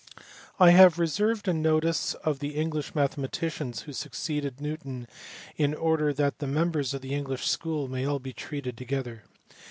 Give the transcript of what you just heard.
I have reserved a notice of the English mathematicians who succeeded Newton in order that the members of the English school may be all treated together.